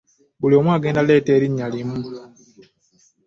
Buli omu agenda kuleeta erinnya limu.